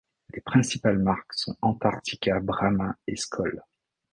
Les principales marques sont Antarctica, Brahma et Skol.